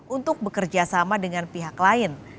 untuk bekerja sama dengan pihak lain